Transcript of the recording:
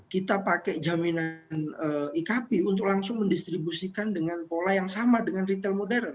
kita pakai jaminan ikp untuk langsung mendistribusikan dengan pola yang sama dengan retail modern